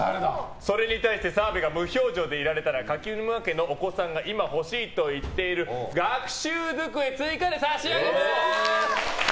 それに対して澤部が無表情でいられたら柿沼家のお子さんが今欲しいと言っている学習机、追加で差し上げます！